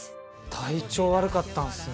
体調悪かったんすね。